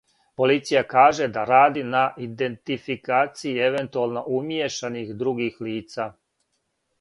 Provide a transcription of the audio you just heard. Полиција каже да ради на идентификацији евентуално умијешаних других лица.